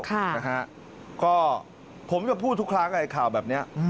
ค่ะนะฮะก็ผมจะพูดทุกครั้งไอ้ข่าวแบบนี้